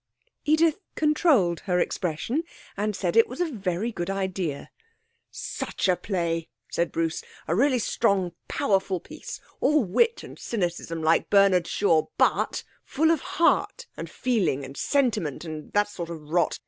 Edith controlled her expression, and said it was a very good idea. 'Such a play,' said Bruce. 'A really strong, powerful piece all wit and cynicism like Bernard Shaw but, full of heart and feeling and sentiment, and that sort of rot.